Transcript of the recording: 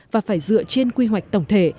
và phải dựa trên quy hoạch tổng thể